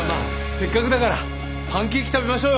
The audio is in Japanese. せっかくだからパンケーキ食べましょうよ。